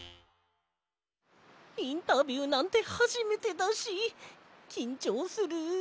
インタビューなんてはじめてだしきんちょうする。